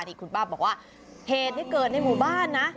นี่คุณป้าบอกว่าเหตุที่เกิดในหมู่บ้านนะ